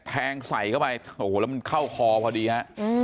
แทงใส่เข้าไปโอ้โหแล้วมันเข้าคอพอดีฮะ